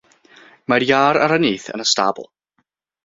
Mae'r iâr ar y nyth yn y stabl.